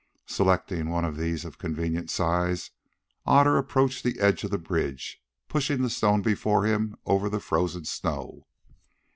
Selecting one of these of convenient size, Otter approached the edge of the bridge, pushing the stone before him over the frozen snow.